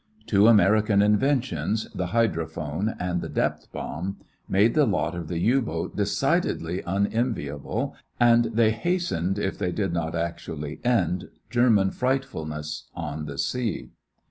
Two American inventions, the hydrophone and the depth bomb, made the lot of the U boat decidedly unenviable and they hastened if they did not actually end German frightfulness on the sea.